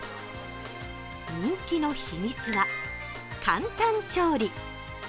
人気の秘密は、簡単調理。